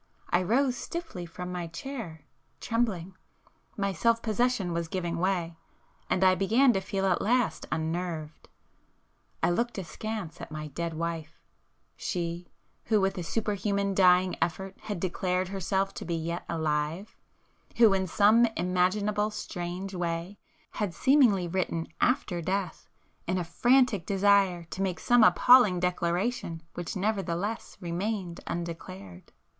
I rose stiffly from my chair, trembling,—my self possession was giving way, and I began to feel at last unnerved. I looked askance at my dead wife,—she, who with a superhuman dying effort had declared herself to be yet alive,—who, in some imaginable strange way had seemingly written after death, in a frantic desire to make some appalling declaration which nevertheless remained undeclared.